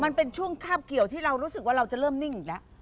มันเป็นช่วงคาบเกี่ยวที่เรารู้สึกว่าเราจะเริ่มนิ่งอีกแล้ว